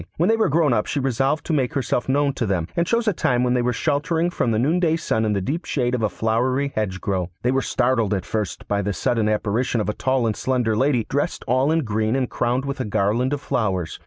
When they were grown up she resolved to make herself known to them, and chose a time when they were sheltering from the noonday sun in the deep shade of a flowery hedgerow. They were startled at first by the sudden apparition of a tall and slender lady, dressed all in green, and crowned with a garland of flowers.